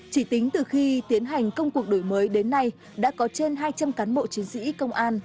chỉ tính từ khi tiến hành công cuộc đổi mới đến nay đã có trên hai trăm linh cán bộ chiến sĩ công an